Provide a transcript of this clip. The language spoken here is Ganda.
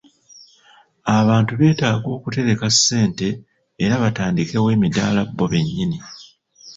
Abantu beetaaga okutereka ssente era batandikewo emidaala bo bennyini.